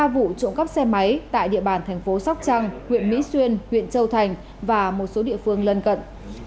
ba vụ trộm cắp xe máy tại địa bàn thành phố sóc trăng huyện mỹ xuyên huyện châu thành và một số địa phương lân cận